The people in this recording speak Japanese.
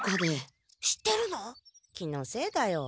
気のせいだよ。